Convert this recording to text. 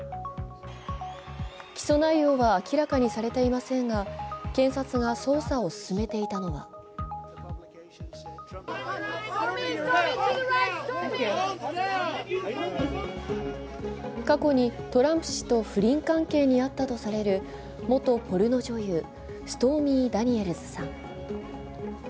起訴内容は明らかにされていませんが、検察が捜査を進めていたのは過去にトランプ氏と不倫関係にあったとされる元ポルノ女優、ストーミー・ダニエルズさん。